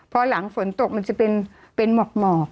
พอหลังฝนตกมันจะเป็นหมอก